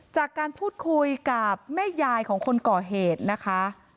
จากการพูดคุยกับแม่ยายของคนก่อเหตุนะคะ